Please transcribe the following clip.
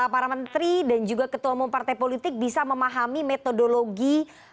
para menteri dan juga ketua umum partai politik bisa memahami metodologi